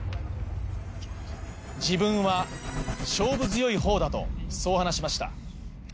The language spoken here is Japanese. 自分は勝負強い方だとそう話しました。